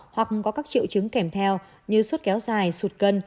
hoặc có các triệu chứng kèm theo như suốt kéo dài sụt cân